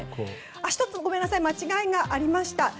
１つ、ごめんなさい間違いがありました。